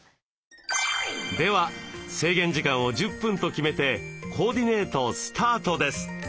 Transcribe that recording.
では制限時間を１０分と決めてコーディネートスタートです。